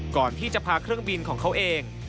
ก่อนที่จะพาเครื่องบินของเขาเอง